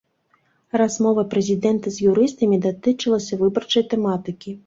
Размова прэзідэнта з юрыстамі датычылася выбарчай тэматыкі.